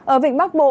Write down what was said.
ở vịnh bắc bộ